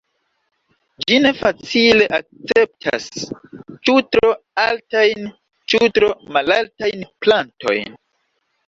Ĝi ne facile akceptas ĉu tro altajn ĉu tro malaltajn plantojn.